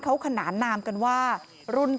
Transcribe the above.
เพราะทนายอันนันชายเดชาบอกว่าจะเป็นการเอาคืนยังไง